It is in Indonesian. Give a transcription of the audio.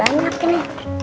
wah masih banyak ini